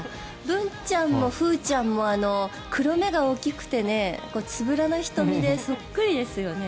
ブンちゃんもふーちゃんも黒目が大きくてつぶらな瞳でそっくりですよね。